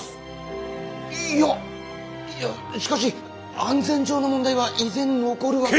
いやいやしかし安全上の問題は依然残るわけで。